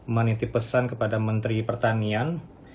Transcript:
menitip pesan kepada menteri pertanian